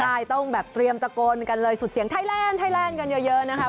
ใช่ต้องแบบเตรียมตะโกนกันเลยสุดเสียงไทยแลนด์ไทยแลนด์กันเยอะนะครับ